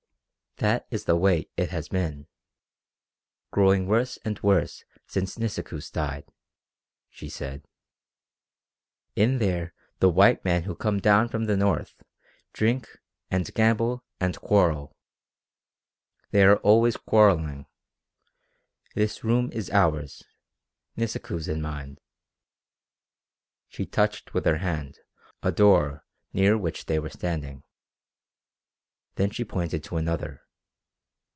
"That is the way it has been growing worse and worse since Nisikoos died," she said. "In there the white men who come down from the north, drink, and gamble, and quarrel. They are always quarrelling. This room is ours Nisikoos' and mine." She touched with her hand a door near which they were standing. Then she pointed to another.